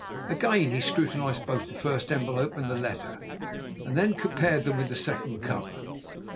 Again he scrutinized both the first envelope and the letter, and then compared them with the second cover.